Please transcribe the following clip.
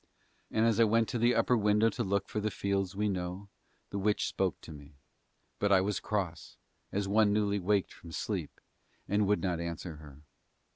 And as I went to the upper window to look for the fields we know, the witch spoke to me; but I was cross, as one newly waked from sleep, and I would not answer her.